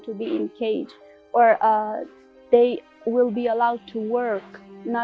atau mereka akan diberi kemampuan untuk bekerja